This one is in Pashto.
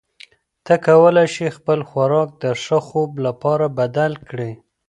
ته کولی شې خپل خوراک د ښه خوب لپاره بدل کړې.